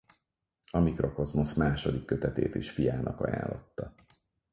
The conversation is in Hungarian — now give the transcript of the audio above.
A Mikrokozmosz második kötetét is fiának ajánlotta.